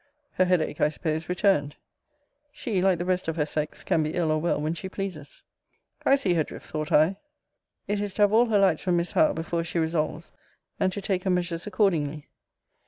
Her head ache, I suppose, returned. She, like the rest of her sex, can be ill or well when she pleases. I see her drift, thought I; it is to have all her lights from Miss Howe before she resolves, and to take her measures accordingly.